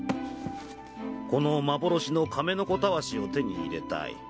この幻の亀の子束子を手に入れたい。